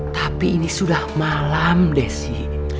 tapi ini sudah malam desi